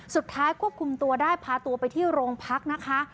สุดท้ายควบคุมตัวได้พาตัวไปที่โรงพักนะคะ